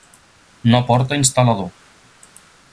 No porta instal·lador.